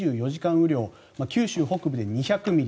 雨量九州北部で２００ミリ